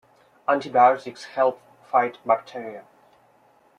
Antibiotics help fight bacteria.